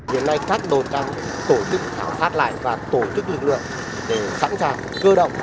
hiện nay các đội tàu tổ chức khảo phát lại và tổ chức lực lượng để sẵn sàng cơ động